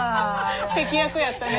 適役やったね。